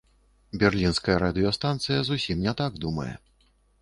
Берлінская радыёстанцыя зусім не так думае.